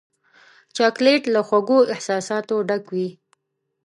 چاکلېټ له خوږو احساساتو ډک وي.